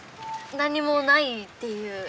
何もないっていう。